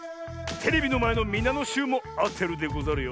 テレビのまえのみなのしゅうもあてるでござるよ。